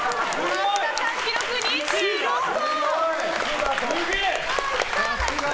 増田さん、記録２６個！